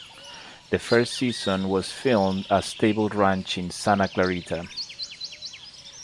The first season was filmed at Sable Ranch in Santa Clarita.